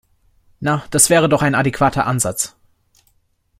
Na, das wäre doch ein adäquater Ansatz.